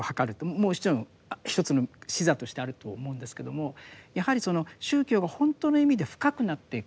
もちろん一つの視座としてあると思うんですけれどもやはりその宗教がほんとの意味で深くなっていく。